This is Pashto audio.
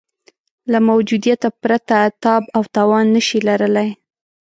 له موجودیته پرته تاب او توان نه شي لرلای.